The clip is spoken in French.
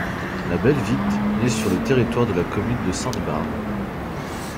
La Belvitte naît sur le territoire de la commune de Sainte-Barbe.